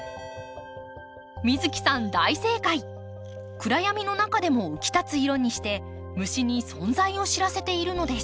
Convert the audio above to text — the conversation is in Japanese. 暗闇の中でも浮き立つ色にして虫に存在を知らせているのです。